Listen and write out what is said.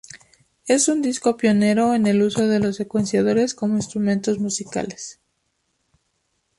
Es un disco pionero en el uso de los secuenciadores como instrumentos musicales.